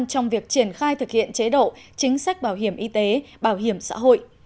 trong việc triển khai thực hiện chế độ chính sách bảo hiểm y tế bảo hiểm xã hội